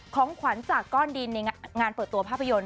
ของขวัญจากก้อนดินในงานเปิดตัวภาพยนตร์